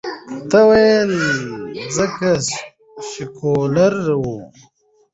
ده ویل، ځکه سیکولر ؤ.